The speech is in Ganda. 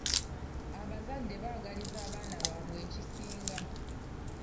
Abazadde baagaliza abaana baabwe ekisinga.